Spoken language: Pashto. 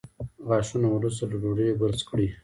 غاښونه وروسته له ډوډۍ برس کړئ